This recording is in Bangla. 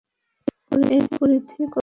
এর পরিধি কত বড়?